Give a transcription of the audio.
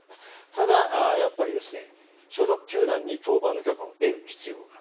ただ、やっぱり所属球団に登板の許可を得る必要がある。